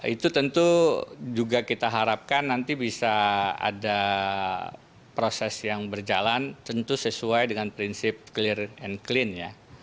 itu tentu juga kita harapkan nanti bisa ada proses yang berjalan tentu sesuai dengan prinsip clear and clean ya